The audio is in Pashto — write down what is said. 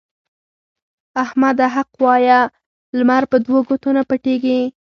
احمده! حق وايه؛ لمر په دوو ګوتو نه پټېږي.